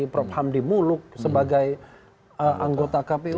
prof hamdi muluk sebagai anggota kpu